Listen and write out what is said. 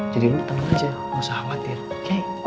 jadi lo tenang aja lo gak usah khawatir oke